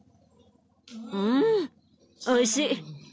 うんおいしい。